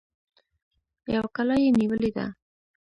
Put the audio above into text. يوه کلا يې نيولې ده.